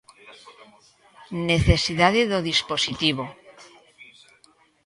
Necesidade do dispositivo.